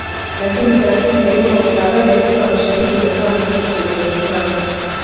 Lakini Taasisi ya Vyombo vya Habari Afrika Mashariki imekuwa ni kitu chenye mvutano